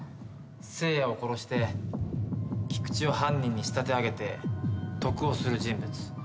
せいやを殺して菊池を犯人に仕立て上げて得をする人物。